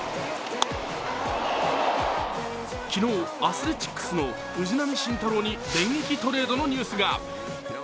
昨日、アスレチックスの藤浪晋太郎に電撃トレードのニュースが。